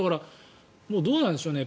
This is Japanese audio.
どうなんでしょうね。